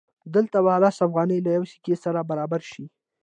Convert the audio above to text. دلته به لس افغانۍ له یوې سکې سره برابرې شي